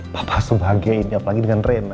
papa sebagainya apalagi dengan rena